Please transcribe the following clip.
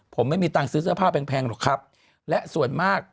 ผมไม่มีตังค์ซื้อเสื้อผ้าแพงหรอกครับและส่วนมาก